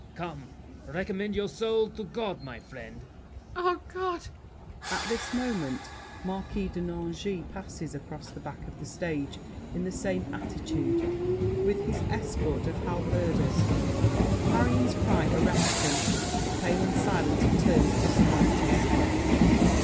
Come, recommend your soul to God, my friend. MARION. Ah, God! [At this moment Marquis de Nangis passes across the back of the stage, in the same attitude, with his escort of Halberdiers. Marion's cry arrests him; pale and silent he turns to the characters.